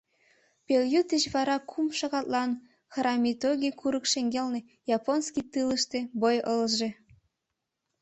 Пелйӱд деч вара кум шагатлан Харамитоги курык шеҥгелне, японский тылыште бой ылыже...